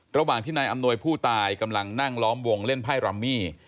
ระหว่างที่นายอำนวยผู้ตายกำลังนั่งล้อมวงเล่นไพ่รัมมี่